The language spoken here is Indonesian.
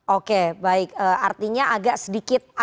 oke baik artinya agak sedikit